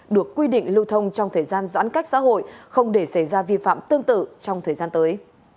được quy định lưu thông trong thời gian giãn cách xã hội không để xảy ra vi phạm tương tự trong thời gian tới